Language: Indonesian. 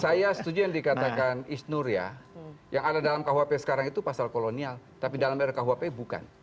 saya setuju yang dikatakan isnur ya yang ada dalam kuhp sekarang itu pasal kolonial tapi dalam rkuhp bukan